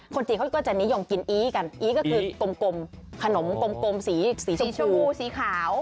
จีนเขาก็จะนิยมกินอี้กันอีก็คือกลมขนมกลมสีชมพูสีขาว